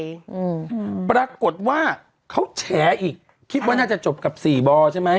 อืมปรากฏว่าเขาแฉอีกคิดว่าน่าจะจบกับสี่บอใช่ไหม